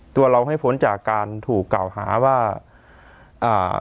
ตัวเราให้พ้นจากการถูกกล่าวหาว่าอ่า